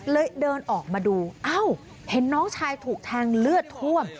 เลยเดินออกมาดูเห็นน้องชายถูกทางเลือดท่วม